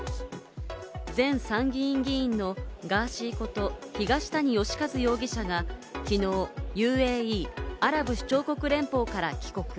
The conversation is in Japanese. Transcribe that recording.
前参議院議員のガーシーこと東谷義和容疑者がきのうＵＡＥ＝アラブ首長国連邦から帰国。